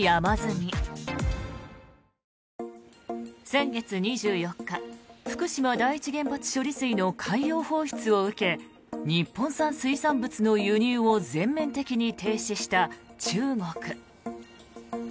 先月２４日福島第一原発処理水の海洋放出を受け日本産水産物の輸入を全面的に停止した中国。